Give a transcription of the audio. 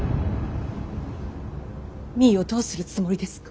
実衣をどうするつもりですか。